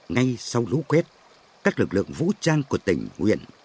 ngay sau lũ quét các lực lượng vũ trang của tỉnh nguyện